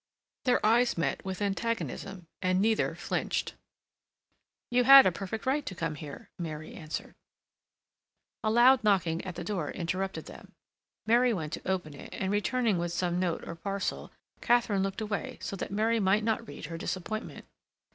Their eyes met with antagonism, and neither flinched. "You had a perfect right to come here," Mary answered. A loud knocking at the door interrupted them. Mary went to open it, and returning with some note or parcel, Katharine looked away so that Mary might not read her disappointment.